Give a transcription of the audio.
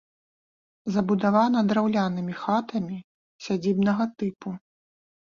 Забудавана драўлянымі хатамі сядзібнага тыпу.